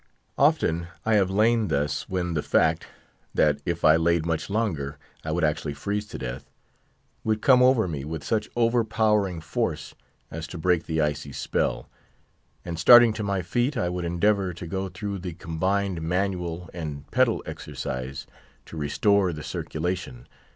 Often I have lain thus when the fact, that if I laid much longer I would actually freeze to death, would come over me with such overpowering force as to break the icy spell, and starting to my feet, I would endeavour to go through the combined manual and pedal exercise to restore the circulation.